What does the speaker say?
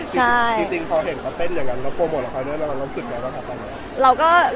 จริงพอเห็นเขาเต้นอย่างนั้นแล้วโปรโมทละคอนด้วยเรารู้สึกยังไงว่าเขาทำยังไง